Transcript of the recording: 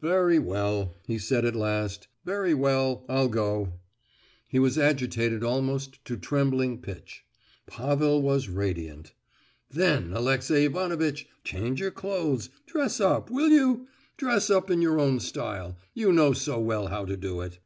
"Very well," he said at last, "very well, I'll go." He was agitated almost to trembling pitch. Pavel was radiant. "Then, Alexey Ivanovitch, change your clothes—dress up, will you? Dress up in your own style—you know so well how to do it."